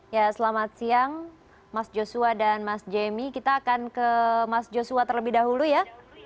ya selamat siang mas joshua dan mas jemmy kita akan ke mas joshua terlebih dahulu ya